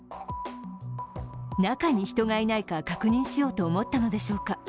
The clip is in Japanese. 中に人がいないか確認しようと思ったのでしょうか